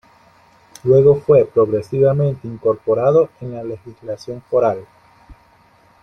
Luego fue progresivamente incorporado en la legislación foral.